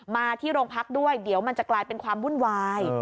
มาที่โรงพักด้วยเดี๋ยวมันจะกลายเป็นความวุ่นวาย